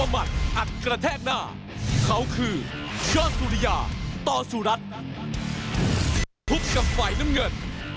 บังรอดสายยันยิม